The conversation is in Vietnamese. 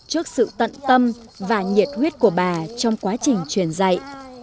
trước sự tận tâm và nhiệt huyết của bà trong quá trình truyền dạy